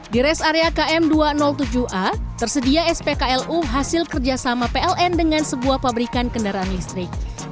di res area km dua ratus tujuh a tersedia spklu hasil kerjasama pln dengan sebuah pabrikan kendaraan listrik